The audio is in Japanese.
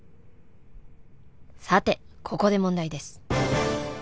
さてここで問題です